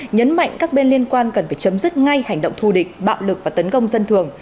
nhấn mạnh các bên liên quan cần phải chấm dứt ngay hành động thù địch bạo lực và tấn công dân thường